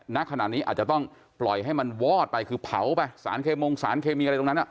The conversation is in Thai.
ณขณะนี้อาจจะต้องปล่อยให้มันวอดไปคือเผาไปสารเคมงสารเคมีอะไรตรงนั้น